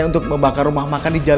orang yang bersama ibu di pandora cafe